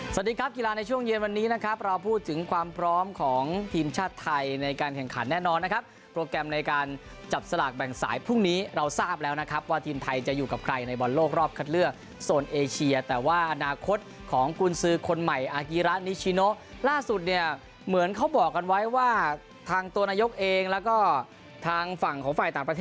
สวัสดีครับกีฬาในช่วงเย็นวันนี้นะครับเราพูดถึงความพร้อมของทีมชาติไทยในการแข่งขันแน่นอนนะครับโปรแกรมในการจับสลากแบ่งสายพรุ่งนี้เราทราบแล้วนะครับว่าทีมไทยจะอยู่กับใครในบอลโลกรอบคัดเลือกโซนเอเชียแต่ว่าอนาคตของกุญสือคนใหม่อากีระนิชิโนล่าสุดเนี่ยเหมือนเขาบอกกันไว้ว่าทางตัวนายกเองแล้วก็ทางฝั่งของฝ่ายต่างประเทศ